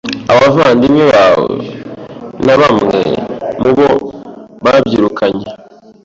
Abavandimwe bae na bamwe mu bo babyirukanye